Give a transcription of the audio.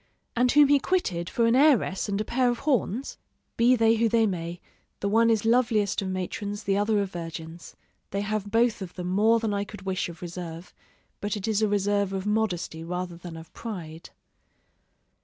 and whom he quitted for an heiress and a pair of horns? Be they who they may, the one is loveliest of matrons, the other of virgins: they have both of them more than I could wish of reserve, but it is a reserve of modesty rather than of pride.